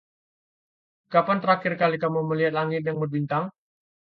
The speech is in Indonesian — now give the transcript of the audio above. Kapan terakhir kali kamu melihat langit yang berbintang?